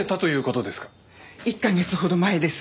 １カ月ほど前です。